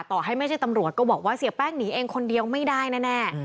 ต่อให้ไม่ใช่ตำรวจก็บอกว่าเสียแป้งหนีเองคนเดียวไม่ได้แน่